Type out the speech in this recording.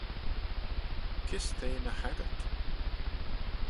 Kys t'eh ny haggyrt?